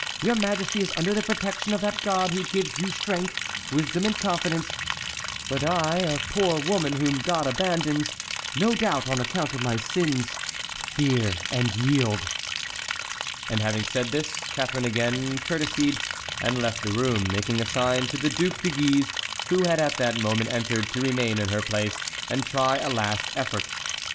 Your majesty is under the protection of that God who gives you strength, wisdom, and confidence. But I, a poor woman whom God abandons, no doubt on account of my sins, fear and yield." And having said this, Catharine again courteseyed and left the room, making a sign to the Duc de Guise, who had at that moment entered, to remain in her place, and try a last effort.